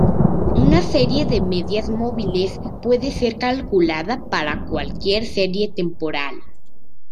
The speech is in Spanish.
Una serie de medias móviles puede ser calculada para cualquier serie temporal.